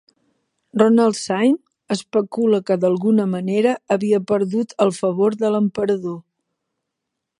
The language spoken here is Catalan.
Ronald Syme especula que d'alguna manera havia perdut el favor de l'Emperador